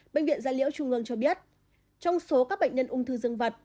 bệnh viện gia liễu trung ương cho biết trong số các bệnh nhân ung thư dương vật